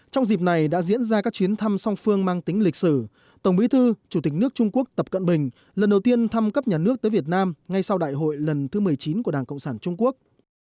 trong dịp này đã diễn ra các chuyến thăm song phương mang tính lịch sử tổng bí thư chủ tịch nước trung quốc tập cận bình lần đầu tiên thăm cấp nhà nước tới việt nam ngay sau đại hội lần thứ một mươi chín của đảng cộng sản trung quốc